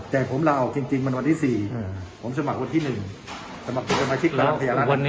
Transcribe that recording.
แต่ผมลาออกจริงมันวันที่๔ผมสมัครวันที่๑สมัครประมาชิกพลังพยายามทัศน์ไทย